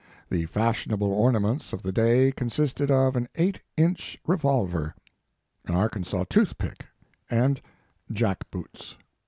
The fashionable ornaments of the day con sisted of an eight inch revolver, an Arkansas toothpick and jack boots.